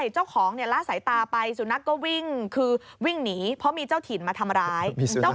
เจ้าของละสายตาไปสุนัขก็วิ่งคือวิ่งหนีเพราะมีเจ้าถิ่นมาทำร้าย